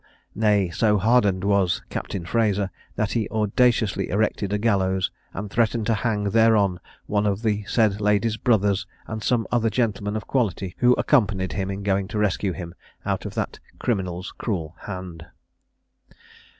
Nay, so hardened was Captain Fraser, that he audaciously erected a gallows, and threatened to hang thereon one of the said lady's brothers, and some other gentlemen of quality, who accompanied him in going to rescue him out of that criminal's cruel hand."